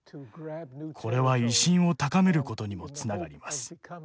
これは威信を高めることにもつながります。